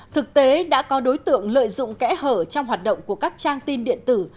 thực tế đã có đối tượng lợi dụng kẽ hở trong hoạt động của các trang tin điện tử